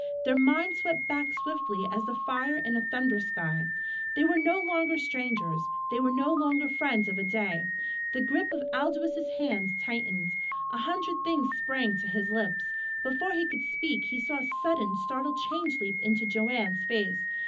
Their minds swept back swiftly as the fire in a thunder sky. They were no longer strangers. They were no longer friends of a day. The grip of Aldous' hands tightened. A hundred things sprang to his lips. Before he could speak, he saw a sudden, startled change leap into Joanne's face.